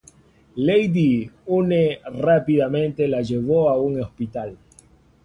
Lady Une rápidamente la llevó a un hospital.